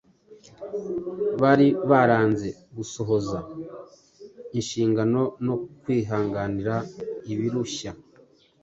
bari baranze gusohoza inshingano no kwihanganira ibirushya